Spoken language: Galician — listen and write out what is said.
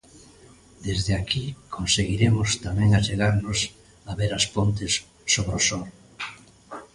Desde aquí conseguiremos tamén achegarnos a ver as pontes sobre o Sor.